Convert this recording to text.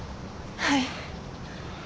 はい。